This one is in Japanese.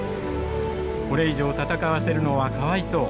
「これ以上戦わせるのはかわいそう。